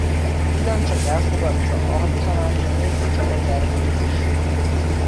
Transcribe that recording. Ugyancsak elfogadta a haditanács a nyílt csata tervét is.